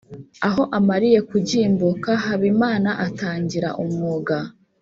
Aho amariye kugimbuka, Habimana atangira umwuga